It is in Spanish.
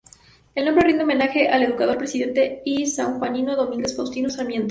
El nombre rinde homenaje al educador, presidente y sanjuanino Domingo Faustino Sarmiento.